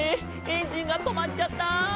エンジンがとまっちゃった！」